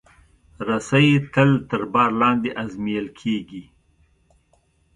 رسۍ تل تر بار لاندې ازمېیل کېږي.